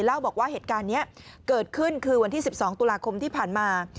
เล่าบอกว่าเหตุการณ์นี้เกิดขึ้นคือวันที่๑๒ตุลาคมที่ผ่านมา